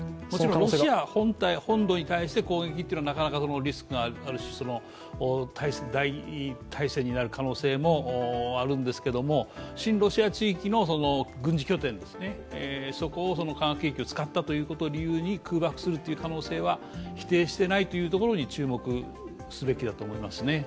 ロシア本土に対して攻撃はなかなかリスクがあるし、大戦になる可能性もあるんですけど、親ロシアの軍事拠点、そこを化学兵器を使ったことを理由に空爆する可能性は否定していないところに注目すべきだと思います